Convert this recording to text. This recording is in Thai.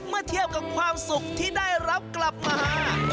เมื่อเทียบกับความสุขที่ได้รับกลับมาหา